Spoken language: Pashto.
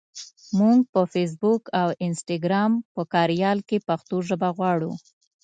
مونږ د فېسبوک او انسټګرام په کاریال کې پښتو ژبه غواړو.